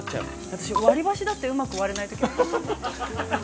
◆私、割り箸だってうまく割れないときありますよ。